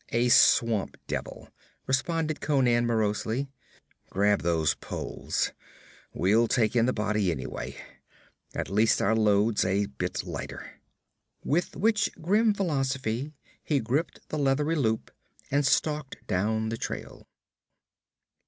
'A swamp devil,' responded Conan morosely. 'Grab those poles. We'll take in the body, anyway. At least our load's a bit lighter.' With which grim philosophy he gripped the leathery loop and stalked down the trail.